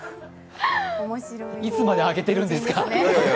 いつまで上げてるんですか。